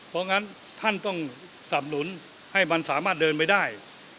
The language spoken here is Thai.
เพราะงั้นท่านต้องสับหนุนให้มันสามารถเดินไปได้